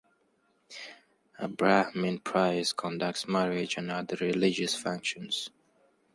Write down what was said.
A Brahmin priest conducts marriages and other religious functions.